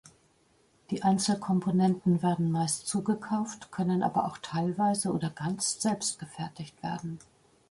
Die Einzelkomponenten werden meist zugekauft, können aber auch teilweise oder ganz selbst gefertigt werden.